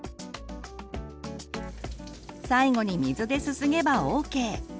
最後に水ですすげばＯＫ。